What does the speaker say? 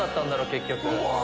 結局。